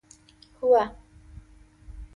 هوه